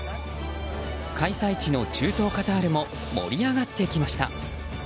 開催地の中東カタールも盛り上がってきました。